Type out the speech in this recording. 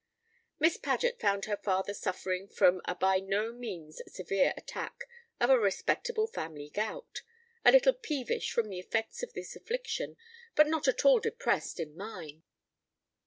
Miss Paget found her father suffering from a by no means severe attack of a respectable family gout, a little peevish from the effects of this affliction, but not at all depressed in mind.